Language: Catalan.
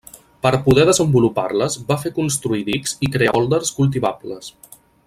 Per a poder desenvolupar-les va fer construir dics i crear pòlders cultivables.